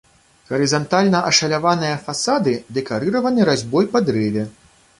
Гарызантальна ашаляваныя фасады дэкарыраваны разьбой па дрэве.